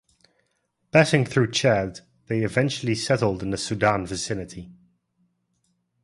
Passing through Chad, they eventually settled in the Sudan vicinity.